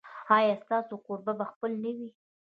ایا ستاسو کور به خپل نه وي؟